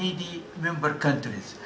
kepada negara yang lain